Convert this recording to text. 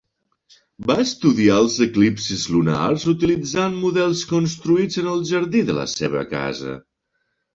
Va estudiar els eclipsis lunars, utilitzant models construïts en el jardí de la seva casa.